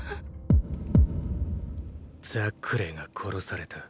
ザックレーが殺された？